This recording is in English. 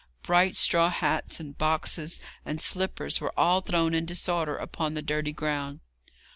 Bright straw hats, and boxes, and slippers, were all thrown in disorder upon the dirty ground.